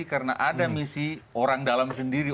karena ada misi orang dalam sendiri